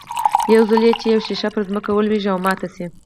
يو ځل چې يوه ښيښه پر ځمکه ولوېږي او ماته شي.